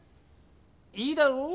いいだろう？